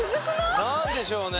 何でしょうね？